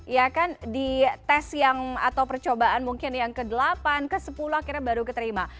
ya kan di tes yang atau percobaan mungkin yang ke delapan ke sepuluh akhirnya baru keterima